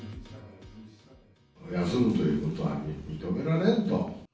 休むということは認められんと。